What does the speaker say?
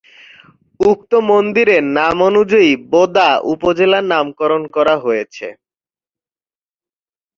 উক্ত মন্দিরের নাম অনুযায়ী বোদা উপজেলার নামকরণ করা হয়েছে।